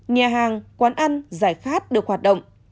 nhà hàng quán ăn giải khát được hoạt động